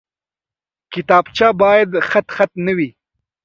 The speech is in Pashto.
کتابچه باید خطخط نه وي